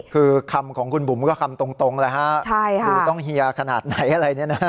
คือคำของคุณบุ๋มก็คำตรงแล้วฮะคือต้องเฮียขนาดไหนอะไรเนี่ยนะ